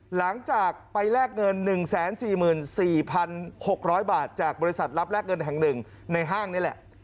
หลังจากไปแลกเงิน๑๔๔๖๐๐บาทจากบริษัทรับแลกเงินแห่ง๑ในห้างนี่แหละ